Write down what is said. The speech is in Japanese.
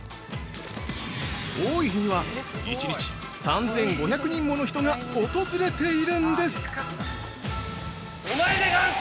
多い日には、１日３５００人もの人が訪れているんです。